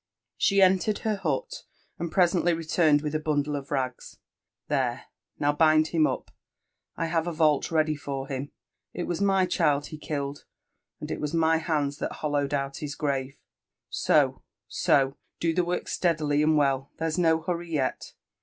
.. She entered her hut, and presently returned with a bundle of rags There—now bind him up. I have a vault ready for him. It was my child he killed, and it was my hands that hollowed out his grave bo, so do the work steadily and well there's no hurry vet.